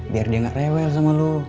biar dia nggak rewel sama lo